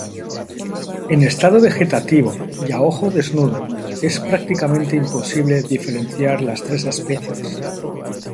En estado vegetativo, y a ojo desnudo, es prácticamente imposible diferenciar las tres especies.